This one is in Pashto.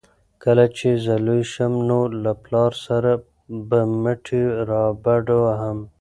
کله چې زه لوی شم نو له پلار سره به مټې رابډوهم.